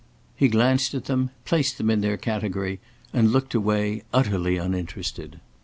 He glanced at them, placed them in their category, and looked away, utterly uninterested.